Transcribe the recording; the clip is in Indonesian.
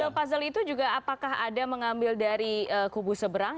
betul puzzle itu juga apakah ada mengambil dari kubu seberang